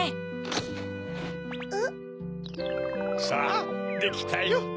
さぁできたよ。